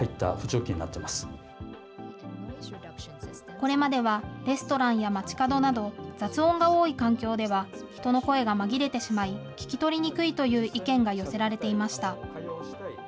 これまではレストランや街角など、雑音が多い環境では人の声が紛れてしまい、聞き取りにくいという意見が寄せられていました。